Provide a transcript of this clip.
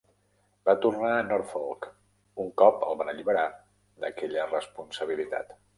Va tornar a Norfolk un cop el van alliberar d"aquella responsabilitat.